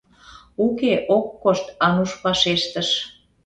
— Уке, ок кошт, — Ануш вашештыш.